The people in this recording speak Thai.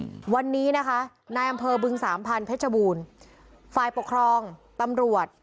อืมวันนี้นะคะนายอำเภอบึงสามพันเพชรบูรณ์ฝ่ายปกครองตำรวจ